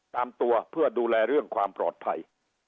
ตามตัวเพื่อดูแลเรื่องความปลอดภัย